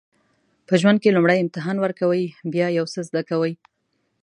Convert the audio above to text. په ژوند کې لومړی امتحان ورکوئ بیا یو څه زده کوئ.